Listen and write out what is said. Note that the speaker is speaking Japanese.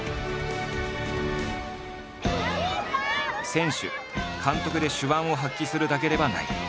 選手監督で手腕を発揮するだけではない。